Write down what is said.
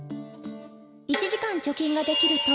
１時間貯金ができると。